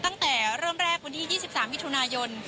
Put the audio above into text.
ตั้งแต่เริ่มแรกวันที่๒๓มิถุนายน